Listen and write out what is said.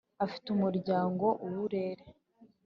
afite umuryango uwurere,